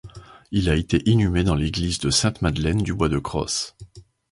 Il a été inhumé dans l'église de Sainte-Madeleine du bois de Cros.